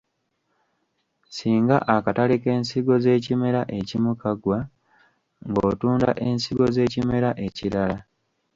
Singa akatale k’ensigo z’ekimera ekimu kagwa, ng’otunda ensigo z’ekimera ekirala.